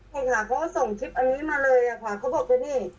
ใช่ค่ะเขาส่งคลิปอันนี้มาเลยอะค่ะเขาบอกว่านี่